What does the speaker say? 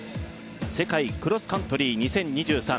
世界クロスカントリー２０２３